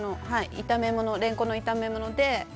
れんこんの炒め物で。